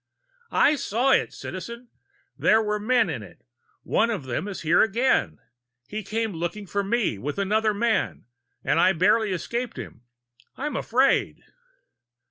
"I saw it, Citizen! There were men in it. One of them is here again! He came looking for me with another man and I barely escaped him. I'm afraid!"